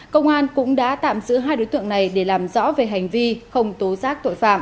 công an cũng đã tạm giữ hai đối tượng này để làm rõ về hành vi không tố giác tội phạm